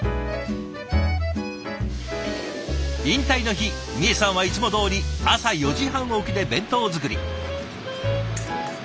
引退の日みえさんはいつもどおり朝４時半起きで弁当作り。